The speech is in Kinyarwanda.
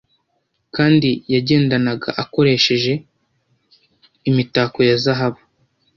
Kandi yagendanaga akoresheje imitako ya zahabu